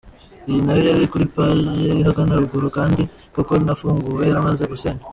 Iyi nayo yari kuri peage ahagana ruguru kandi koko nafunguwe yaramaze gusenywa.